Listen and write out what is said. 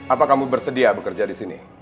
apa kamu bersedia bekerja di sini